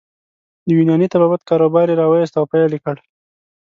د یوناني طبابت کاروبار يې راویست او پیل یې کړ.